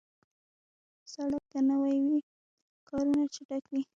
سړک که نوي وي، کارونه چټک وي.